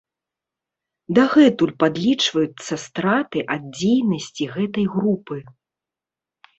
Дагэтуль падлічваюцца страты ад дзейнасці гэтай групы.